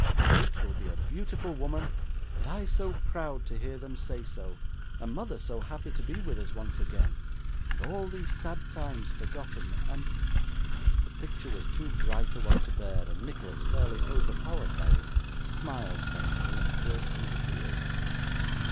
Kate will be a beautiful woman, and I so proud to hear them say so, and mother so happy to be with us once again, and all these sad times forgotten, and ' The picture was too bright a one to bear, and Nicholas, fairly overpowered by it, smiled faintly, and burst into tears.